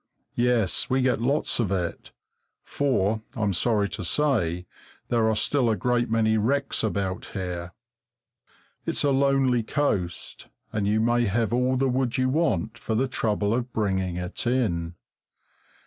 Yes, we get lots of it, for I'm sorry to say there are still a great many wrecks about here. It's a lonely coast, and you may have all the wood you want for the trouble of bringing it in.